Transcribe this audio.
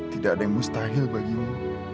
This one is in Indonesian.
tidak ada yang mustahil bagimu